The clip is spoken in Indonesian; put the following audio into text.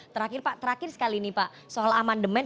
terakhir pak terakhir sekali nih pak soal aman demand